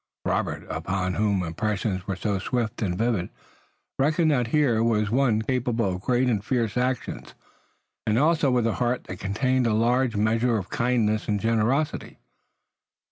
Robert, upon whom impressions were so swift and vivid, reckoned that here was one capable of great and fierce actions, and also with a heart that contained a large measure of kindness and generosity.